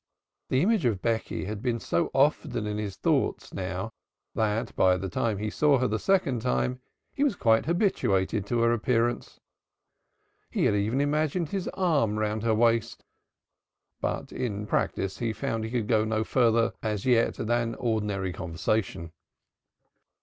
The image of Becky had been so often in his thoughts now that by the time he saw her the second time he was quite habituated to her appearance. He had even imagined his arm round her waist, but in practice he found he could go no further as yet than ordinary conversation.